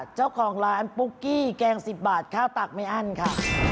เจ้าของร้านปุ๊กกี้แกง๑๐บาทข้าวตักไม่อั้นค่ะ